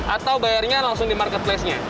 atau bayarnya langsung di marketplace nya